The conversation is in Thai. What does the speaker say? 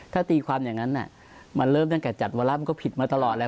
ถ้าตีความอย่างนั้นมันเริ่มตั้งแต่จัดวาระมันก็ผิดมาตลอดแล้ว